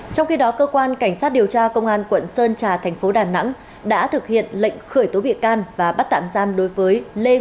trong khi đó cơ quan cảnh sát điều tra công an quận sơn trà thành phố đà nẵng đã thực hiện lệnh khởi tố bị can và bắt tạm giam đối với lê